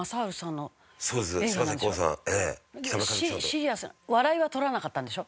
シリアスな笑いは取らなかったんでしょ？